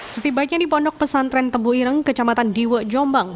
setibanya di pondok pesantren tebuireng kecamatan diwo jombang